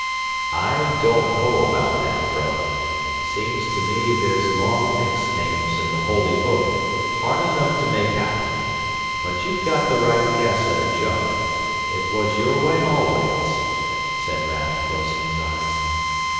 "I don't know about that, vrouw. Seems to me there's long mixed names in the holy Book, hard enough to make out. But you've got the right guess at a jump. It was your way always," said Raff, closing his eyes.